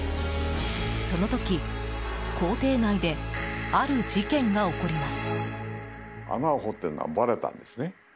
その時、公邸内である事件が起こります。